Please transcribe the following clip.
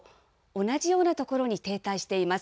同じような所に停滞しています。